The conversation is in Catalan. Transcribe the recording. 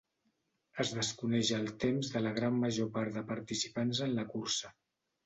Es desconeix el temps de la gran major part de participants en la cursa.